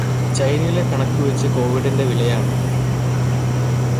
ചൈനയിലെ കണക്കു വെച്ച് കോവിഡിന്റെ വില ആണ്.